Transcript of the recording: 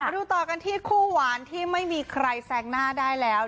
ดูต่อกันที่คู่หวานที่ไม่มีใครแซงหน้าได้แล้ว